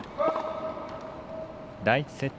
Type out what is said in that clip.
第１セット